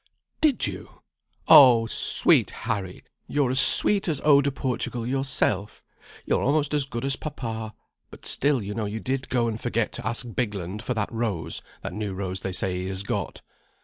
"Did you! Oh, sweet Harry; you're as sweet as eau de Portugal yourself; you're almost as good as papa; but still you know you did go and forget to ask Bigland for that rose, that new rose they say he has got."